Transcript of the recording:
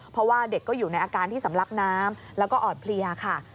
เพราะว่าเด็กก็อยู่ในอาการที่สำลักน้ำแล้วก็อ่อนเพลียค่ะ